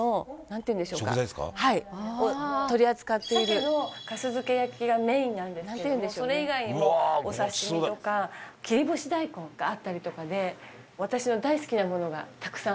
鮭の粕漬け焼きがメインなんですけれどもそれ以外にもお刺し身とか切り干し大根があったりとかで私の大好きなものがたくさん入っています。